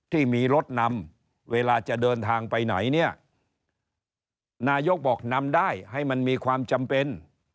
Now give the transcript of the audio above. ที่มีรถนำเวลาจะเดินทางไปไหนเนี่ยนายกบอกนำได้ให้มันมีความจำเป็น